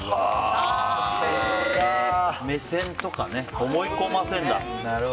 目線とかね、思い込ませるんだ。